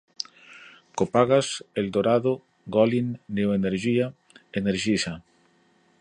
Copagaz, Eldorado, Golin, Neoenergia, Energisa